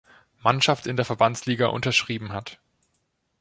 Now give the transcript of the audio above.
Mannschaft in der Verbandsliga unterschrieben hat.